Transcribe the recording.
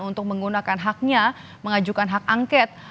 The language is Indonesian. untuk menggunakan haknya mengajukan hak angket